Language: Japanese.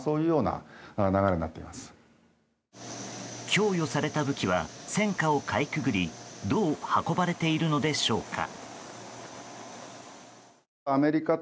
供与された武器は戦火をかいくぐりどう運ばれているのでしょうか。